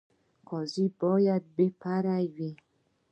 قاضي باید بې پرې وي